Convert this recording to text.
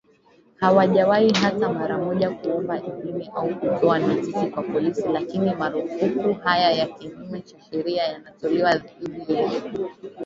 Hawajawahi hata mara moja kuomba idhini au kutoa notisi kwa polisi, lakini marufuku haya ya kinyume cha sharia yanatolewa dhidi yetu